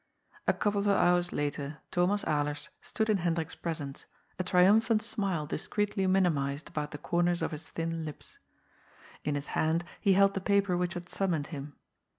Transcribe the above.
A couple of hours later Thomas Alers stood in Hen drik's presence, a triumphant smile discreetly minimised about the corners of his thin lips. In his hand he held the paper which had summoned him.